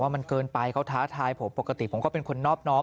มันเกินไปเขาท้าทายผมปกติผมก็เป็นคนนอบน้อม